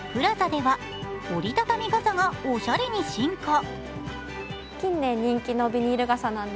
ＰＬＡＺＡでは折り畳み傘がおしゃれに進化。